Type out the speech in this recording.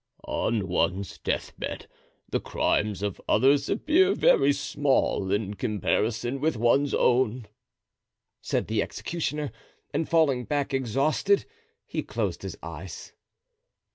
"On one's death bed the crimes of others appear very small in comparison with one's own," said the executioner; and falling back exhausted he closed his eyes.